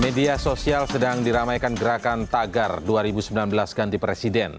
media sosial sedang diramaikan gerakan tagar dua ribu sembilan belas ganti presiden